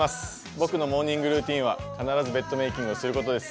僕のモーニングルーティンは必ずベッドメイキングをすることです。